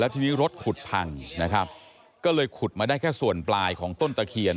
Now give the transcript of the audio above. ทีนี้รถขุดพังนะครับก็เลยขุดมาได้แค่ส่วนปลายของต้นตะเคียน